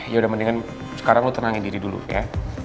yaudah mendingan sekarang lo tenangin diri dulu ya